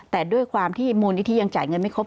แต่ด้วยความที่มูลนิธิยังจ่ายเงินไม่ครบ